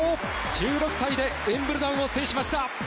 １６歳でウィンブルドンを制しました。